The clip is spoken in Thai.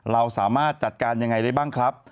เราสามารถจัดการยังไงได้บ้างครับ